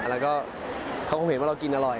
แล้วก็เขาคงเห็นว่าเรากินอร่อย